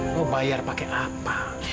mau bayar pakai apa